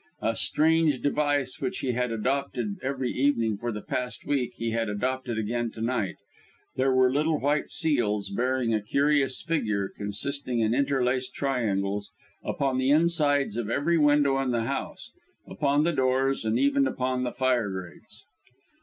A strange device which he had adopted every evening for the past week, he had adopted again to night there were little white seals, bearing a curious figure, consisting in interlaced triangles, upon the insides of every window in the house, upon the doors, and even upon the fire grates.